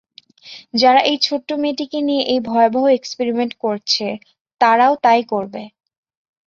যারা এই ছোট্ট মেয়েটিকে নিয়ে এই ভয়াবহ এক্সপেরিমেন্ট করছে, তারাও তাই করবে।